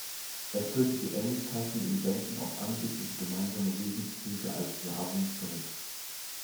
Er führte die Ähnlichkeiten im Denken auf angebliche gemeinsame Wesenszüge als Slawen zurück.